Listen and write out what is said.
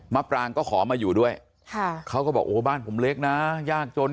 ปรางก็ขอมาอยู่ด้วยเขาก็บอกโอ้บ้านผมเล็กนะยากจน